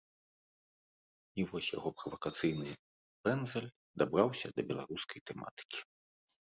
І вось яго правакацыйны пэндзаль дабраўся да беларускай тэматыкі.